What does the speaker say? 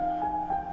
amir kasihan parkurnya